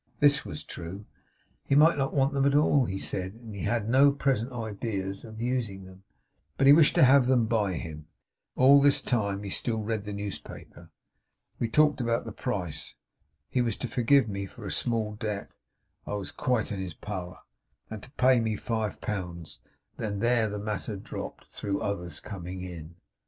This was true. He might not want them at all, he said, and he had no present idea of using them; but he wished to have them by him. All this time he still read the newspaper. We talked about the price. He was to forgive me a small debt I was quite in his power and to pay me five pounds; and there the matter dropped, through others coming in.